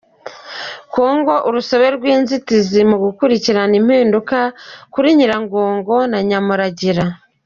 Kongo Urusobe rw’inzitizi mu gukurikirana impinduka kuri Nyiragongo na Nyamuragira